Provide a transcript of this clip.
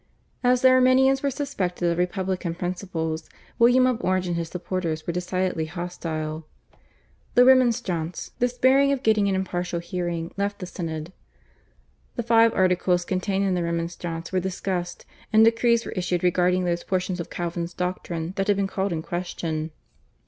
As the Arminians were suspected of republican principles William of Orange and his supporters were decidedly hostile. The Remonstrants, despairing of getting an impartial hearing, left the Synod. The five Articles contained in the Remonstrance were discussed, and decrees were issued regarding those portions of Calvin's doctrine that had been called in question.